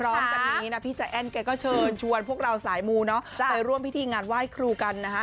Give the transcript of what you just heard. พร้อมกันนี้นะพี่ใจแอ้นแกก็เชิญชวนพวกเราสายมูเนาะไปร่วมพิธีงานไหว้ครูกันนะฮะ